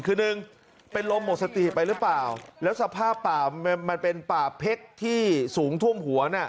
คือหนึ่งเป็นลมหมดสติไปหรือเปล่าแล้วสภาพป่ามันเป็นป่าเพ็กที่สูงท่วมหัวน่ะ